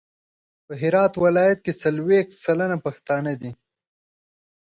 په هرات ولایت کې څلویښت سلنه پښتانه دي.